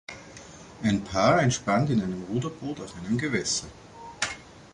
Ein Paar entspannt in einem Ruderboot auf einem Gewässer.